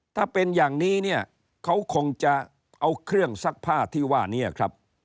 ถ้าเป็นอย่างนี้เนี่ยเขาคงจะเอาเครื่องซักผ้าที่ว่านี้ครับ